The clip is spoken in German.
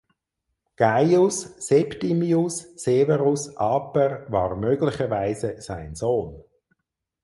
Gaius Septimius Severus Aper war möglicherweise sein Sohn.